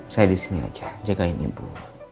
saya disini aja jagain ibu